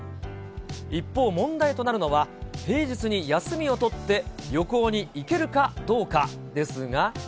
一方、問題となるのは、平日に休みを取って、旅行に行けるかどうかですが。